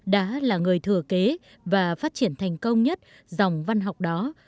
đã là người thừa kế và phát triển thành công nhất dòng văn học đó